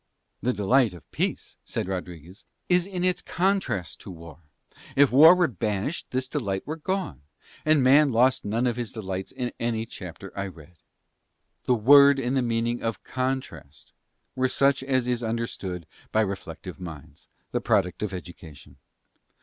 "The delight of peace," said Rodriguez, "is in its contrast to war. If war were banished this delight were gone. And man lost none of his delights in any chapter I read." The word and the meaning of CONTRAST were such as is understood by reflective minds, the product of education.